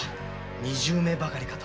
二十名ばかりかと。